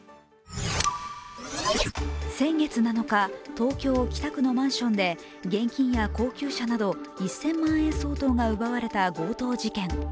先月７日、東京・北区のマンションで現金や高級車など１０００万円相当が奪われた強盗事件。